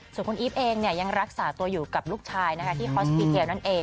ส่วนคุณอีฟเองยังรักษาตัวอยู่กับลูกชายที่ฮอสปีเทลนั่นเอง